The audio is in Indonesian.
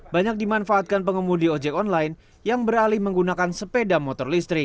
banyak dimanfaatkan pengemudi ojek online yang beralih menggunakan sepeda motor listrik